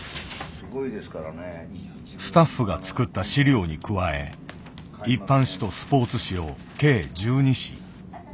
スタッフが作った資料に加え一般紙とスポーツ紙を計１２紙。